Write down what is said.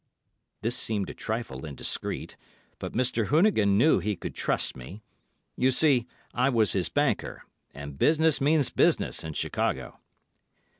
(This seemed a trifle indiscreet; but Mr. Hoonigan knew he could trust me. You see, I was his banker, and business means business in Chicago.)